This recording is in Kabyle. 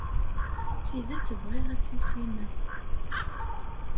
D tidet bɣiɣ ad tt-issineɣ.